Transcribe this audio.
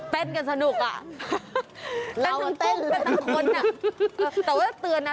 เต้นกันสนุกอ่ะเป็นทั้งกุ้งเป็นตังคนน่ะแต่ว่าเตือนน่ะ